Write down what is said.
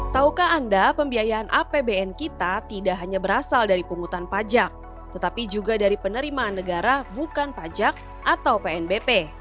taukah anda pembiayaan apbn kita tidak hanya berasal dari pungutan pajak tetapi juga dari penerimaan negara bukan pajak atau pnbp